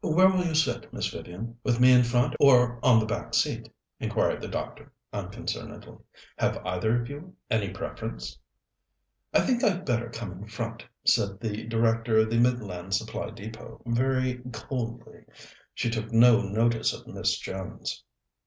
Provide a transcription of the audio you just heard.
"Where will you sit, Miss Vivian, with me in front or on the back seat?" inquired the doctor unconcernedly. "Have either of you any preference?" "I think I'd better come in front," said the Director of the Midland Supply Depôt, very coldly. She took no notice of Miss Jones.